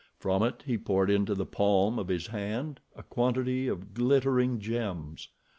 From it he poured into the palm of his hand a quantity of glittering gems.